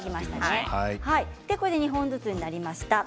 これで２本ずつになりました。